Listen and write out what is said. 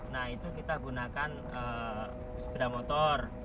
nah itu kita gunakan sepeda motor